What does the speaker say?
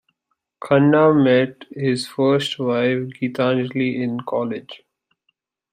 Khanna met his first wife Gitanjali in college.